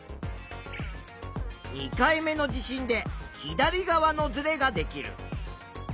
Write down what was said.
２回目の地震で左側のずれができる。